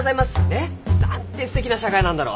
ねえなんてすてきな社会なんだろう。